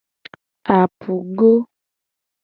Apugo.